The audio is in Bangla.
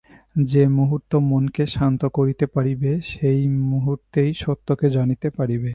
যে-মুহূর্তে মনকে শান্ত করিতে পারিবে, সেই মুহূর্তেই সত্যকে জানিতে পারিবে।